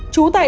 chú tài đăng